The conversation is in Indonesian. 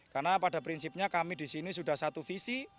karena pada prinsipnya kami di sini sudah satu visi